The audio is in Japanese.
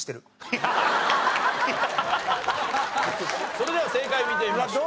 それでは正解見てみましょう。